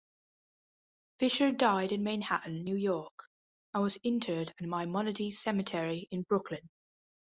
Fisher died in Manhattan, New York and was interred at Maimonides Cemetery in Brooklyn.